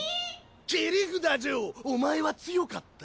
切札ジョーお前は強かった。